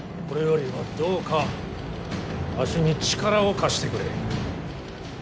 これよりはどうかわしに力を貸してくれ。